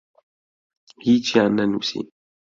هیچیان نەنووسی.